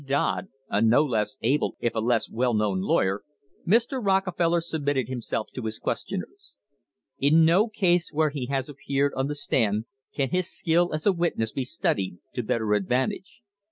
Dodd, a no less able if a less well known lawyer, Mr. Rockefeller submitted him self to his questioners. In no case where he has appeared on the stand can his skill as a witness be studied to better advan tage.